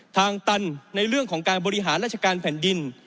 ทางตันในเรื่องของการบริหารราชการแผ่นดิน